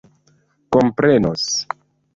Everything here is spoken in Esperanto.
komprenos